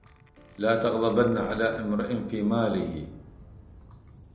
لا تغضبن على امرئ في ماله